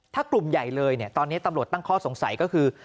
ถ้ากลุ่มใหญ่เลยตอนนี้ตำรวจตั้งข้อสงสัยก็คือ